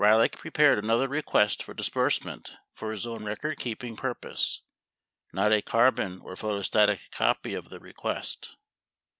15 Ryhlick pre pared another request for disbursement for his own recordkeeping purpose (not a carbon or photostatic copy of the request).